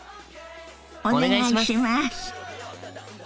お願いします！